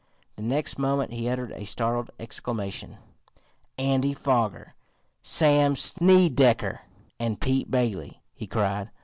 The next moment he uttered a startled exclamation. "Andy Foger, Sam Snedecker and Pete Bailey!" he cried.